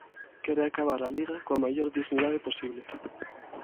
Quere acabar a Liga coa maior dignidade posible.